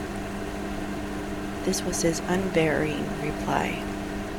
This was his unvarying reply.